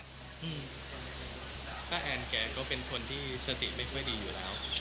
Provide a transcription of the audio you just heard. ภาพครือแอมีแก่เป็นคนที่สติไม่ค่อยดีอยู่แล้ว